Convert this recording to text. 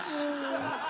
そっち。